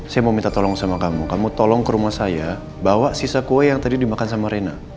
saya mau minta tolong sama kamu kamu tolong ke rumah saya bawa sisa kue yang tadi dimakan sama rena